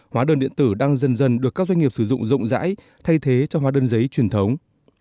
hóa đơn điện tử đang dần dần được các doanh nghiệp sử dụng rộng rãi thay thế cho hóa đơn giấy truyền thống